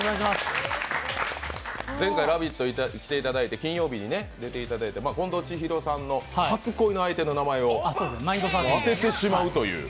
前回「ラヴィット！」来ていただいて、金曜日に来ていただいて近藤千尋さんの初恋の相手の名前てを当ててしまうという。